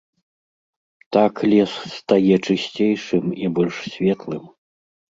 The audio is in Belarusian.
Так лес стае чысцейшым і больш светлым.